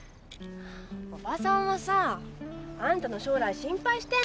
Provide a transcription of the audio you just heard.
おばさんはさあんたの将来心配してんのよ。